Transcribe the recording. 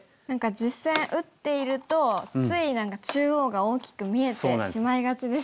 実戦打っているとつい何か中央が大きく見えてしまいがちですよね。